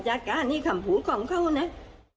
ตนที่จะปล่อยมาจัดการค่ำผูกของเขาเนี้ย